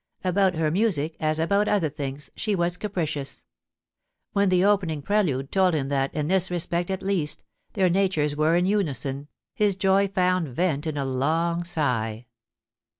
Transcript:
About her music, as about other things, she was capricious. When the opening prelude told him that, in this respect at leaist, their natures were in unison, his joy found vent in a long sigh.